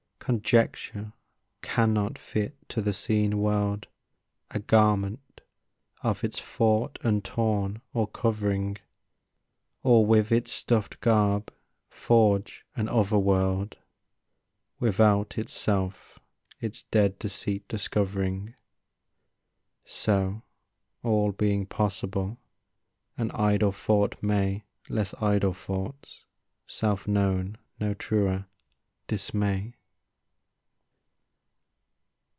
Conjecture cannot fit to the seen world A garment of its thought untorn or covering, Or with its stuffed garb forge an otherworld Without itself its dead deceit discovering; So, all being possible, an idle thought may Less idle thoughts, self known no truer, dismay.